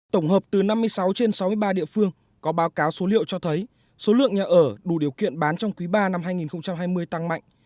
tổng hợp từ năm mươi sáu trên sáu mươi ba địa phương có báo cáo số liệu cho thấy số lượng nhà ở đủ điều kiện bán trong quý ba năm hai nghìn hai mươi tăng mạnh